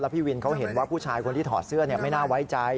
พี่วินเขาเห็นว่าผู้ชายคนที่ถอดเสื้อไม่น่าไว้ใจ